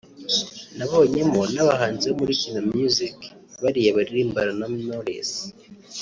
nabonyemo n’abahanzi bo muri Kina Music bariya baririmbana na Knowless